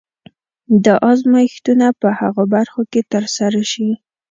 دا ازمایښتونه په هغو برخو کې ترسره شي.